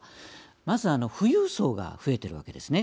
まず富裕層が増えているわけですね。